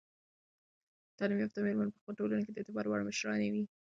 تعلیم یافته میرمنې په خپلو ټولنو کې د اعتبار وړ مشرانې وي.